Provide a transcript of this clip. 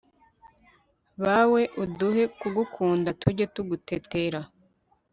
bawe, uduhe kugukunda, tujye tugutetera